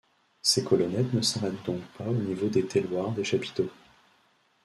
Ces colonnettes ne s'arrêtent donc pas au niveau des tailloirs des chapiteaux.